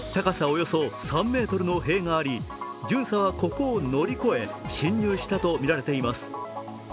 およそ３ｍの塀があり巡査はここを乗り越え侵入したとみられています。